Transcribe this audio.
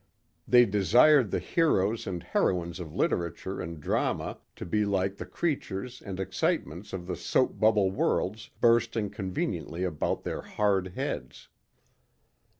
They desired the heroes and heroines of literature and drama to be like the creatures and excitements of the soap bubble worlds bursting conveniently about their hard heads.